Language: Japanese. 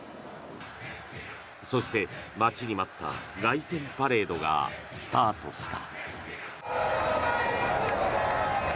そして、待ちに待った凱旋パレードがスタートした。